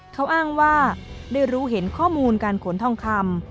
เขาอ้างว่าได้รู้เห็นข้อมูลการขนทองคำ